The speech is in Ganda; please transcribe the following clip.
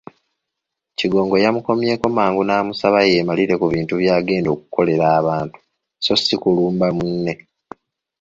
Kigongo yamukomyeko mangu n'amusaba yeemalire ku bintu byagenda okukolera abantu so ssi kulumba munne.